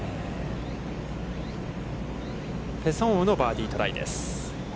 ペ・ソンウのバーディートライです。